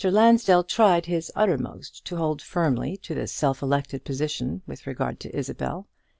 Lansdell tried his uttermost to hold firmly to this self elected position with regard to Isabel.